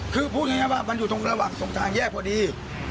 คือพูดง่ายว่ามันอยู่ตรงระหว่างตรงทางแยกพอดี